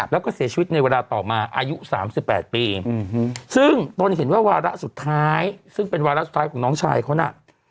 แล้วก็เสียชีวิตในเวลาต่อมาอายุ๓๘ปีซึ่งตนเห็นว่าวาระสุดท้ายซึ่งเป็นวาระสุดท้ายของน้องชายเขาน่ะ